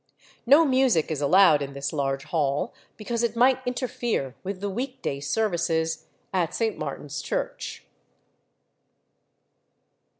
No music is allowed in this large hall, because it might interfere with the week day services at St. Martin's Church.